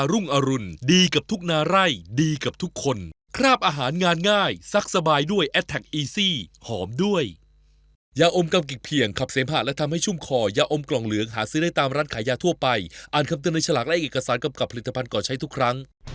หนูนี้รู้นะคะว่าทุกคนเป็นห่วงหนูแต่หนูจะปล่อยให้ริลี่หายตัวไปแบบนี้ไม่ได้ค่ะ